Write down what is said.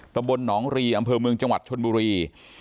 ตะบลหนองรีอำเภอเมืองจังหวัดชนบุรี